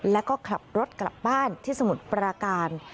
แล้วก็ขับรถกลับบ้านที่สมุทรปราการ